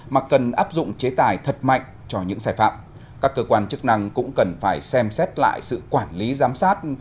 mà cần áp dụng chế tài thật mạnh cho những sai phạm các cơ quan chức năng cũng cần phải xem xét lại sự quản lý giám sát